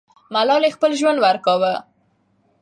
ملالۍ خپل ژوند ورکاوه.